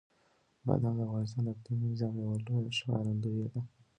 بادام د افغانستان د اقلیمي نظام یوه لویه ښکارندوی ده.